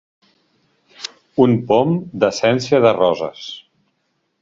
Un pom d'essència de roses.